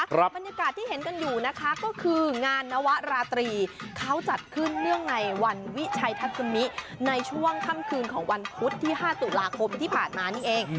บรรยากาศที่เห็นกันอยู่นะคะก็คืองานนวราตรีเขาจัดขึ้นเนื่องในวันวิชัยทัศมิในช่วงค่ำคืนของวันพุธที่๕ตุลาคมที่ผ่านมานี่เอง